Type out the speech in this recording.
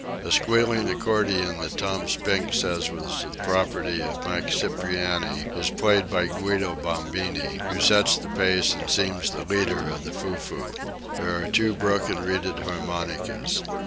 A squealing accordion that Tom Spink says was the property of Mike Cipriani is played by Guido Bombini, who sets the pace and seems the leader of the foo foo. There are two broken reeded harmonicas.